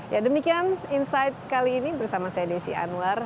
ya demikian insight kali ini bersama saya desi anwar